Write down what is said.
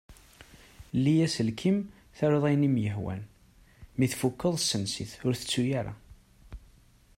Lli aselkim taruḍ ayen i m-ihwan. Mi tfukeḍ sens-it. Ur tettu ara!